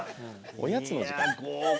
おやつの時間。